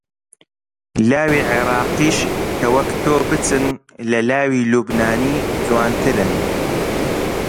لاوی عێراقیش کە وەک تۆ بچن، لە لاوی لوبنانی جوانترن